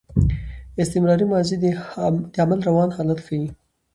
استمراري ماضي د عمل روان حالت ښيي.